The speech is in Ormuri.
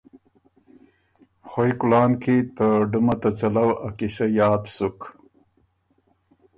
خوئ کُلان کی ته ډُمه ته څَلؤ ا قیصۀ یاد سُک۔